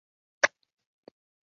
我说没拿就没拿啊